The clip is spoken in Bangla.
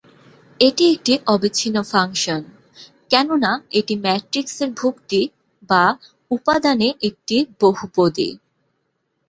এটি একটি অবিচ্ছিন্ন ফাংশন, কেননা এটি ম্যাট্রিক্সের ভুক্তি/ উপাদানে একটি বহুপদী।